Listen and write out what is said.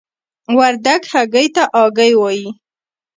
وردګ هګۍ ته آګۍ وايي.